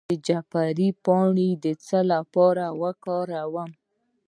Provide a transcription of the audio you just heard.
د جعفری پاڼې د څه لپاره وکاروم؟